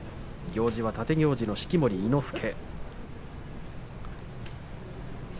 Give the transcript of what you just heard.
行司は立行司式守伊之助。